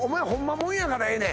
もんやからええねん